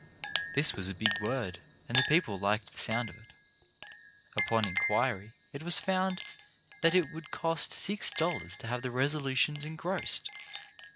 This was a big word, and the people liked the sound of it. Upon inquiry it was found that it would cost $6.00 to have the resolutions engrossed.